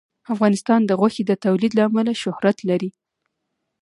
افغانستان د غوښې د تولید له امله شهرت لري.